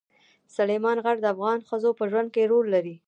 سلیمان غر د افغان ښځو په ژوند کې رول لري.